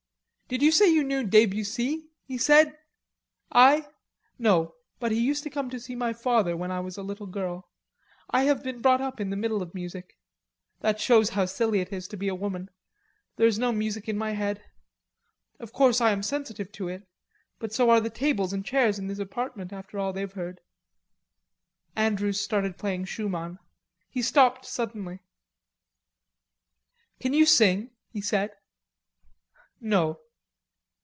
"Did you say you knew Debussy?" he said suddenly. "I? No; but he used to come to see my father when I was a little girl.... I have been brought up in the middle of music.... That shows how silly it is to be a woman. There is no music in my head. Of course I am sensitive to it, but so are the tables and chairs in this apartment, after all they've heard." Andrews started playing Schumann. He stopped suddenly. "Can you sing?" he said. "No."